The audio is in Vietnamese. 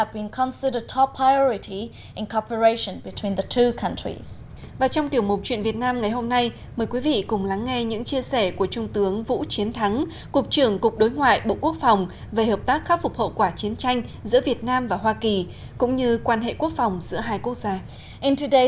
và trong tiểu mục chuyện việt nam ngày hôm nay mời quý vị cùng lắng nghe những chia sẻ của trung tướng vũ chiến thắng cục trưởng cục đối ngoại bộ quốc phòng về hợp tác khắc phục hậu quả chiến tranh giữa việt nam và hoa kỳ cũng như quan hệ quốc phòng giữa hai quốc gia